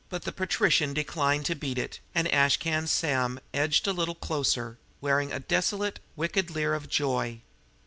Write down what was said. The patrician declined to "beat it," and Ash Can Sam edged a little closer, wearing a dissolute, wicked leer of joy.